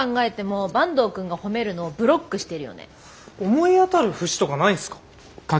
思い当たる節とかないんすか？